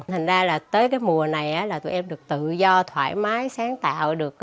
thành ra là tới cái mùa này là tụi em được tự do thoải mái sáng tạo được